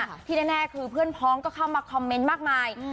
ที่แน่คือเพื่อนพ้องก็เข้ามาคอมเมนต์มากมาย